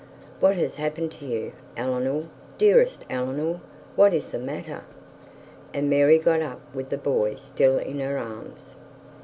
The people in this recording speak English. What has happened to you? Eleanor, dearest Eleanor what is the matter?' and Mary got up with the boy still in her arms.